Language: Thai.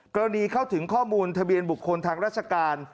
กรณีเข้าถึงข้อมูลทะเบียนบุคคลทางราชการ